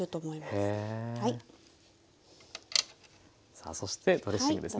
さあそしてドレッシングですね。